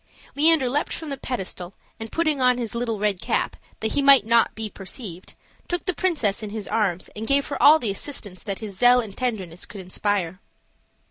Leander leaped from the pedestal, and putting on his little red cap, that he might not be perceived, took the princess in his arms and gave her all the assistance that his zeal and tenderness could inspire.